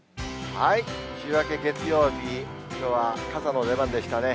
週明け月曜日、きょうは傘の出番でしたね。